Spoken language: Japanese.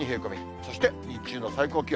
そして、日中の最高気温。